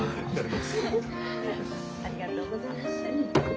ありがとうございます。